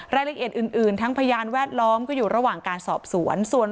รายละเอียดอื่นทั้งพยานแวดล้อมก็อยู่ระหว่างการสอบสวน